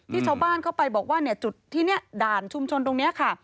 ชาวบ้านเข้าไปบอกว่าจุดที่นี่ด่านชุมชนตรงนี้ค่ะ